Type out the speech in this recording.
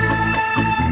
nih bolok ke dalam